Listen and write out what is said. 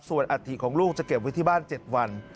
ส่วนอัฐิของลูกจะเก็บไว้ที่บ้าน๗วัน